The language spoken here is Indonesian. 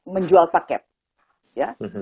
menjual paket ya